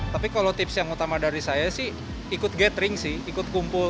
tapi kalau tips yang utama dari saya sih ikut gathering sih ikut kumpul